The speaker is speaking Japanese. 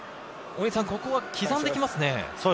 ここは刻んできますね。